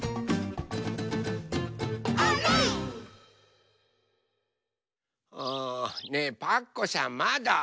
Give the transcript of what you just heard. あねえパクこさんまだ？